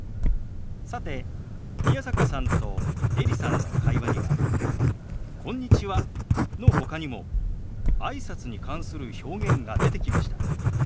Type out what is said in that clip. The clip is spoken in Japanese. さて宮坂さんとエリさんの会話には「こんにちは」のほかにもあいさつに関する表現が出てきました。